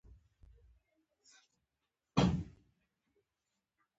د احمد په خټه کې دروغ نشته، تل پاکه صفا خبره کوي.